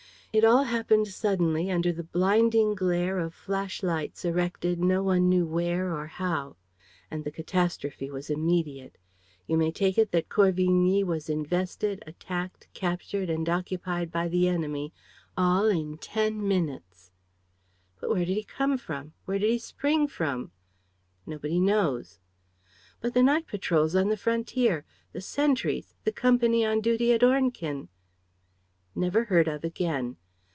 It all happened suddenly under the blinding glare of flash lights erected no one knew where or how. And the catastrophe was immediate. You may take it that Corvigny was invested, attacked, captured and occupied by the enemy, all in ten minutes." "But where did he come from? Where did he spring from?" "Nobody knows." "But the night patrols on the frontier? The sentries? The company on duty at Ornequin?" "Never heard of again.